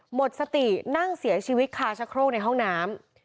หมดสตินั่งเสียชีวิตคาชะโครกในห้องน้ำ